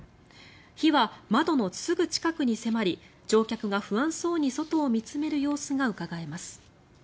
火は窓のすぐ近くに迫り乗客が不安そうに外を見つめる様子がうかがえます。